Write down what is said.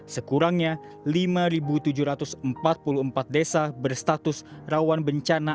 sekurangnya lima tujuh ratus empat puluh empat desa berstatus rawan bencana